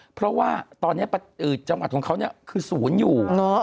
เพราะว่าตอนนี้จังหวัดของเขาคือศูนย์อยู่